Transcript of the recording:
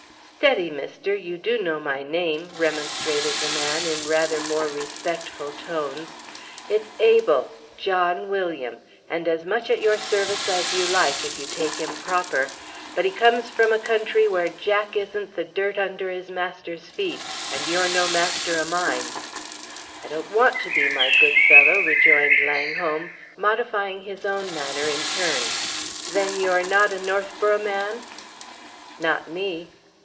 "Steady, mister, you do know my name!" remonstrated the man, in rather more respectful tones. "It's Abel John William and as much at your service as you like if you take him proper; but he comes from a country where Jack isn't the dirt under his master's feet, and you're no master o' mine." "I don't want to be, my good fellow," rejoined Langholm, modifying his own manner in turn. "Then you're not a Northborough man?" "Not me!"